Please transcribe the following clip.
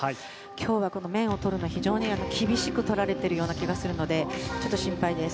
今日は面をとるのは非常に厳しくとられている気がするのでちょっと心配です。